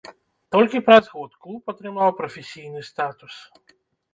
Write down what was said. Толькі праз год клуб атрымаў прафесійны статус.